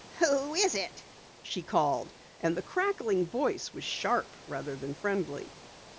"Who is it?" she called, and the crackled voice was sharp rather than friendly.